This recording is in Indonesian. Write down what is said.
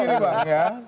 begini bang ya